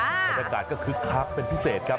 บรรยากาศก็คึกคักเป็นพิเศษครับ